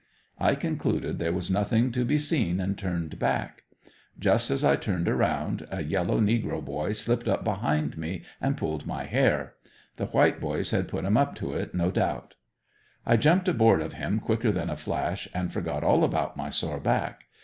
I concluded there was nothing to be seen and turned back; just as I turned around a yellow negro boy slipped up behind me and pulled my hair. The white boys had put him up to it, no doubt. I jumped aboard of him quicker than a flash and forgot all about my sore back.